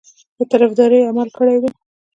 په طرفداري عمل کړی دی.